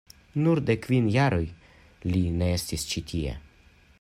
Nur de kvin jaroj li ne estis ĉi tie.